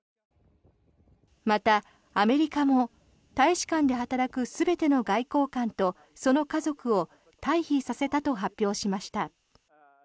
また、アメリカも大使館で働く全ての外交官とその家族を退避させたと発表しました。